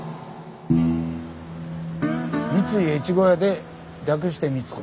三井越後屋で略して「三越」。